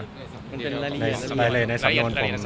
ในสำนวน